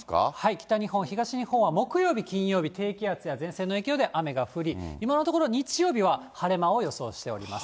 北日本、東日本は木曜日、金曜日、低気圧や前線の影響で雨が降り、今のところ、日曜日は晴れ間を予想しています。